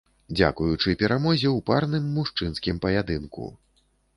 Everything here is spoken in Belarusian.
Дзякуючы перамозе ў парным мужчынскім паядынку.